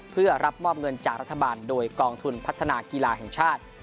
เพื่อรับมอบเงินจากรัฐบาลโดยกองทุนพัฒนากีฬาแห่งชาติ